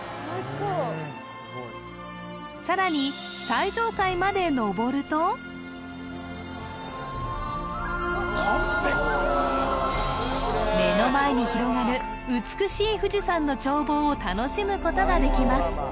さらに目の前に広がる美しい富士山の眺望を楽しむことができます